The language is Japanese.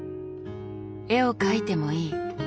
「絵を描いてもいい」。